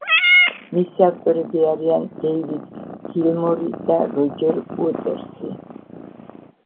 მისი ავტორები არიან დეივიდ გილმორი და როჯერ უოტერსი.